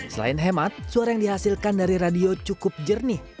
selain hemat suara yang dihasilkan dari radio cukup jernih